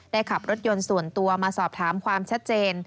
ขับรถยนต์ส่วนตัวมาสอบถามความชัดเจน